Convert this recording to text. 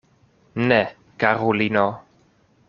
Ne, karulino.